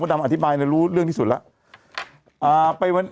ดำอธิบายรู้เรื่องที่สุดแล้ว